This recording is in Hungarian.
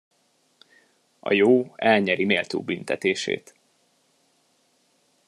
A jó elnyeri méltó büntetését.